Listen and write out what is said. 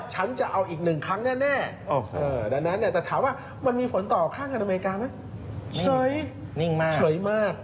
ฉันจะเอาอีกหนึ่งครั้งแน่แต่ถามว่ามันมีผลต่อค่าเงินอเมริกาไหมเฉยเฉยมาก